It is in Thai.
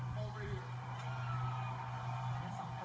ครับ